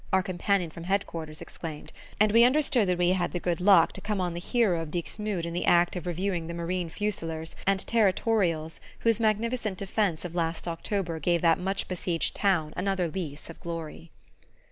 our companion from Head quarters exclaimed; and we understood that we had had the good luck to come on the hero of Dixmude in the act of reviewing the marine fusiliers and territorials whose magnificent defense of last October gave that much besieged town another lease of glory.